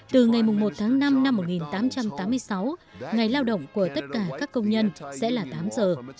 từ ngày một tháng năm năm một nghìn tám trăm tám mươi sáu ngày lao động của tất cả các công nhân sẽ là tám giờ